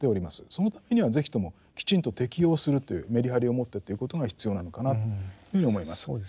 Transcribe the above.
そのためには是非ともきちんと適用するというメリハリを持ってということが必要なのかなというふうに思います。